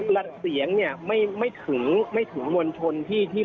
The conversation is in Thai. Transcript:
รัดเสียงเนี่ยไม่ถึงมวลชนที่